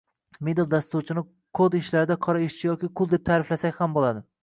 Middle dasturchini kod ishlarida qora ishchi, yoki qul deb ta’riflasak ham bo’ladi